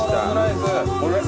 これ！